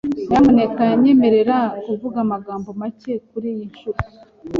Nyamuneka nyemerera kuvuga amagambo make kuriyi nshuro .